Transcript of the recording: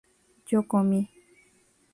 yo comí